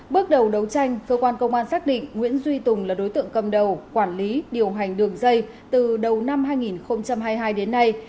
bước đầu đấu tranh cơ quan công an xác định nguyễn duy tùng là đối tượng cầm đầu quản lý điều hành đường dây từ đầu năm hai nghìn hai mươi hai đến nay